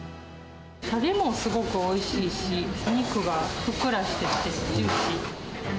たれもすごくおいしいし、お肉がふっくらしてて、ジューシー。